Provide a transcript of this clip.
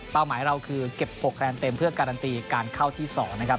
หมายเราคือเก็บ๖คะแนนเต็มเพื่อการันตีการเข้าที่๒นะครับ